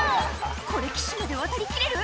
これ岸まで渡り切れる？